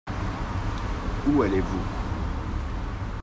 Où allez-vous ?